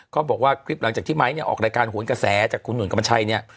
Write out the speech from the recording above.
เขาบอกว่าคลิปหลังจากที่ไม้เนี่ยออกรายการโหนกระแสจากคุณหนุนกรรมชัยเนี่ย